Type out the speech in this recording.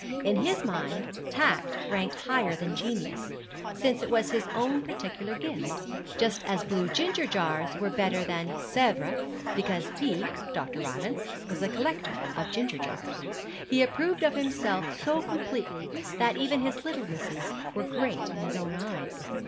In his mind tact ranked higher than genius, since it was his own peculiar gift: just as blue ginger jars were better than Sevres, because he, Dr. Rylance, was a collector of ginger jars. He approved of himself so completely that even his littlenesses were great in his own eyes.